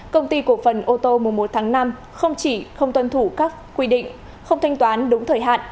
công ty cổ phần ô tô mùa một tháng năm không chỉ không tuân thủ các quy định không thanh toán đúng thời hạn